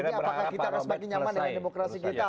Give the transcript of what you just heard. ini apakah kita akan semakin nyaman dengan demokrasi kita